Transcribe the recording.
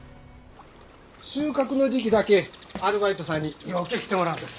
収穫の時期だけアルバイトさんにようけ来てもらうんです。